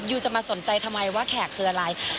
จะมาสนใจทำไมว่าแขกคืออะไร